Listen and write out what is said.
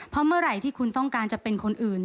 เพราะเมื่อไหร่ที่คุณต้องการจะเป็นคนอื่น